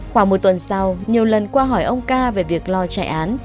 khoảng một tuần sau nhiều lần qua hỏi ông ca về việc lo chạy án